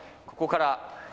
ここから。